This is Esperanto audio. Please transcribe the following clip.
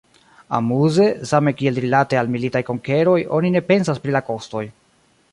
Amuze, same kiel rilate al militaj konkeroj oni ne pensas pri la kostoj.